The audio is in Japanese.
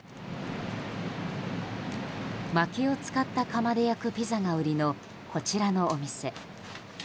まきを使った窯で焼くピザが売りの、こちらのお店。